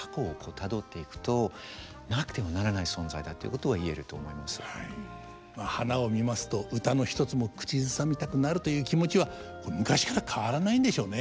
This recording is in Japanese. たくさんあるわけですけれどもまあ花を見ますと歌の一つも口ずさみたくなるという気持ちは昔から変わらないんでしょうね。